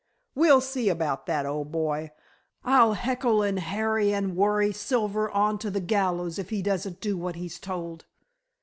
"We'll see about that, old boy. I'll heckle and harry and worry Silver on to the gallows if he doesn't do what he's told."